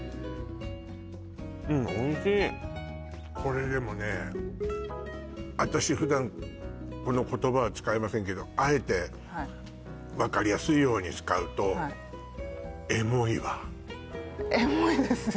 うんおいしいこれでもね私普段この言葉は使いませんけどあえて分かりやすいように使うとエモいですよね